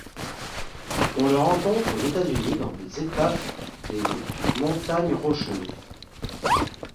On le rencontre aux États-Unis dans des États des Montagnes Rocheuses.